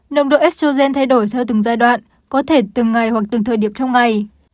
nồng độ esrogen thay đổi theo từng giai đoạn có thể từng ngày hoặc từng thời điểm trong ngày